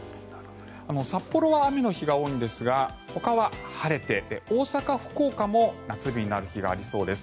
札幌は雨の日が多いんですがほかは晴れて大阪、福岡も夏日になる日がありそうです。